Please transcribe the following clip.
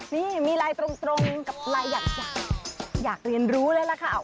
นี่มีไลน์ตรงกับไลน์อยากเรียนรู้เลยล่ะค่ะ